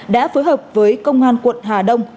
đã phối hợp với công an quận hà đông